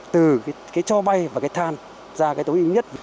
từ cái cho bay và cái than ra cái tối ưu nhất